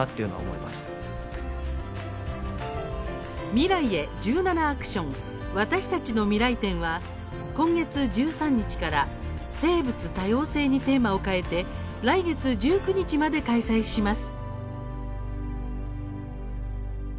「未来へ１７ａｃｔｉｏｎわたしたちのミライ展」は今月１３日から「生物多様性」にテーマを変えて来月１９日まで開催します。